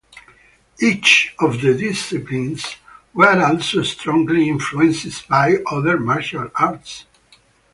Each of the disciplines were also strongly influenced by other martial arts.